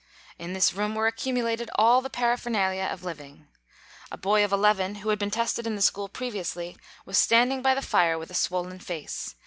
In this room were accumulated all the paraphernalia of living. A boy of eleven, who had been tested in the school previously, was standing by the fire with a swollen face.